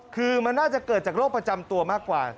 คือมันน่าจะเกิดจากโรคประจำตัวมากกว่า